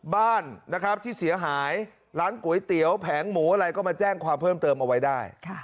บ้านนะครับที่เสียหายร้านก๋วยเตี๋ยวแผงหมูอะไรก็มาแจ้งความเพิ่มเติมเอาไว้ได้